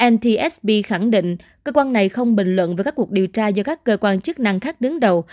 ntsb khẳng định cơ quan này không bình luận về các cuộc điều tra do các cơ quan chức năng khác đứng đầu